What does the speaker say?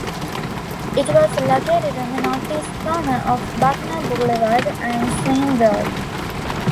It was located on the northeast corner of Buckner Boulevard and Scyene Road.